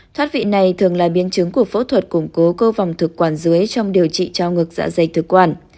thoát vị này thường là biến chứng của phẫu thuật củng cố cơ vòng thực quản dưới trong điều trị trao ngực dạ dày thực quản